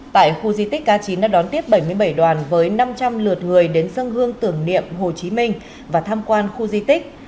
tại khu di tích cá chín đã đón tiếp bảy mươi bảy đoàn với năm trăm linh lượt người đến sân hương tưởng niệm hồ chí minh và tham quan khu di tích